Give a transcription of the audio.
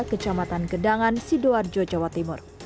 kecamatan gedangan sidoarjo jawa timur